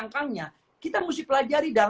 kita harus belajar tentang